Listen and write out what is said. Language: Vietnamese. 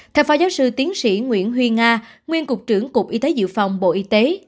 theo phó giáo sư tiến sĩ nguyễn huy nga nguyên cục trưởng cục y tế dự phòng bộ y tế